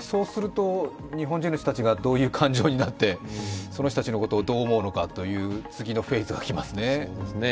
そうすると日本人がどういう感情になって、その人たちのことをどう思うのかという次のフェーズがきますね。